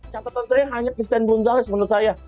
catatan saya hanya christian bonsales menurut saya